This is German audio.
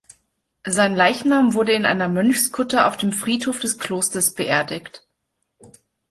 Sein Leichnam wurde in einer Mönchskutte auf dem Friedhof des Klosters beerdigt.